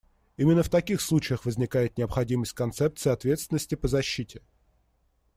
Именно в таких случаях возникает необходимость в концепции ответственности по защите.